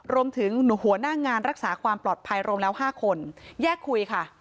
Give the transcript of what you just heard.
หัวหน้างานรักษาความปลอดภัยรวมแล้ว๕คนแยกคุยค่ะ